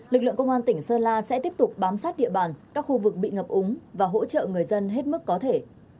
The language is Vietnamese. lực lượng công an tỉnh sơn la sẽ tiếp tục bám sát địa bàn các khu vực bị ngập úng và hỗ trợ người dân hết mức có thể